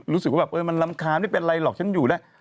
รู้สึกว่ามันลำคาไม่เป็นไรหรอกฉันอยู่แหละ